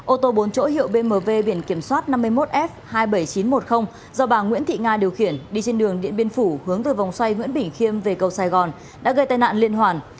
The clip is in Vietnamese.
ô tô bốn chỗ hiệu bmw biển kiểm soát năm mươi một f hai mươi bảy nghìn chín trăm một mươi do bà nguyễn thị nga điều khiển đi trên đường điện biên phủ hướng từ vòng xoay nguyễn bỉnh khiêm về cầu sài gòn đã gây tai nạn liên hoàn